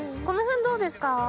この辺どうですか？